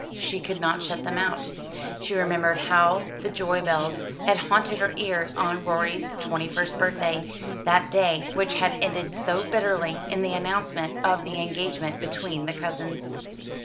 She could not shut them out. She remembered how the joybells had haunted her ears on Rorie's twenty first birthday that day which had ended so bitterly, in the announcement of the engagement between the cousins.